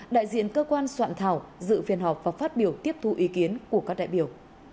đại diện cơ quan soạn thảo dự phiên họp và phát biểu tiếp thu ý kiến của các đại biểu